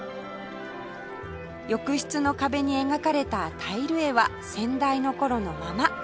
浴室の壁に描かれたタイル絵は先代の頃のまま